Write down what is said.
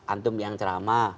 antum yang cerama